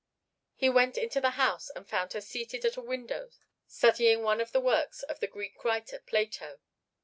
He went into the house and found her seated at a window studying one of the works of the Greek writer Plato.